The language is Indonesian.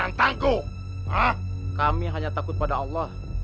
ambil goda di lantai kaisian darjah